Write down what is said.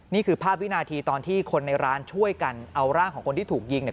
นี่คือภาพวินาทีตอนที่คนในร้านช่วยกันเอาร่างของคนที่ถูกยิงเนี่ย